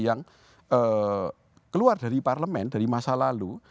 yang keluar dari parlemen dari masa lalu